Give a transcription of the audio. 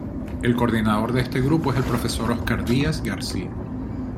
El coordinador de este grupo es el profesor Oscar Díaz García.